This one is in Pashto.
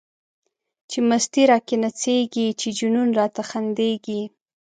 چی مستی را کی نڅيږی، چی جنون را ته خنديږی